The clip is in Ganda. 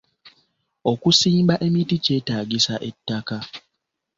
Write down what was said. Okusimba emiti kyetaagisa ettaka.